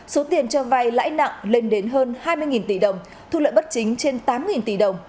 số tiền cho vay lãi nặng lên đến hơn hai mươi tỷ đồng thu lợi bất chính trên tám tỷ đồng